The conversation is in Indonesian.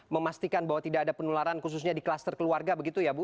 memastikan bahwa tidak ada penularan khususnya di kluster keluarga begitu ya bu